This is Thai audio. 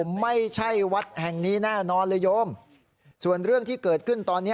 ไม่ใช่วัดแห่งนี้แน่นอนเลยโยมส่วนเรื่องที่เกิดขึ้นตอนนี้